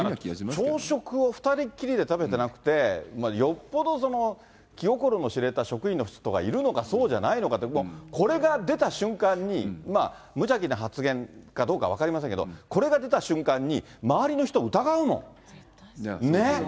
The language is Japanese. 朝食を２人っきりで食べてなくて、よっぽど気心の知れた職員の人がいるのか、そうじゃないのかって、もう、これが出た瞬間に、無邪気な発言かどうかは分かりませんけれども、これが出た瞬間に、周りの人を疑うもん、ね。